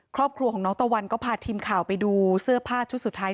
ครอบครัวของน้องตะวันก็พาทีมข่าวไปดูเสื้อผ้าชุดสุดท้าย